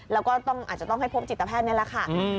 แล้วก็อาจจะต้องให้พบจิตแพทย์นี่แหละค่ะ